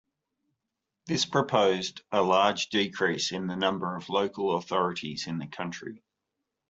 This proposed a large decrease in the number of local authorities in the country.